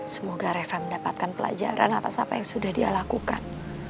semoga refa mendapatkan pelajaran atas apa yang sudah dia lakukan